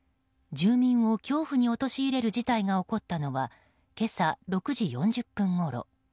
住民を恐怖に陥れる事態が起こったのは今朝６時４０分ごろ。